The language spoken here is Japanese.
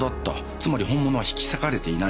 つまり本物は引き裂かれていない。